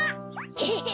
エヘヘ！